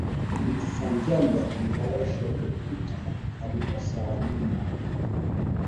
Ma bintu saa njembe, mposholo, na mpiki abikosake mu nyumba